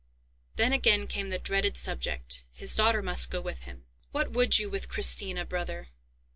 Then, again, came the dreaded subject; his daughter must go with him. "What would you with Christina, brother?"